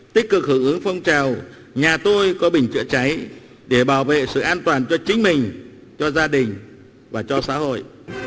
tích cực hưởng ứng phong trào nhà tôi có bình chữa cháy để bảo vệ sự an toàn cho chính mình cho gia đình và cho xã hội